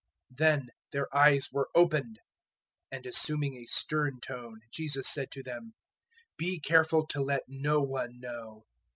009:030 Then their eyes were opened. And assuming a stern tone Jesus said to them, "Be careful to let no one know."